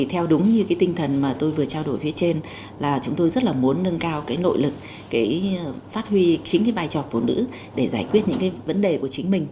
theo đúng như tinh thần tôi vừa trao đổi phía trên chúng tôi rất muốn nâng cao nội lực phát huy chính vai trò phụ nữ để giải quyết những vấn đề của chính mình